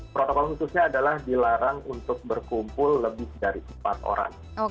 protokol khususnya adalah dilarang untuk berkumpul lebih dari empat orang